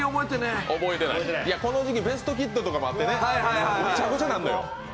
この時期、「ベストキッド」とかもあってめちゃくちゃになんのよ。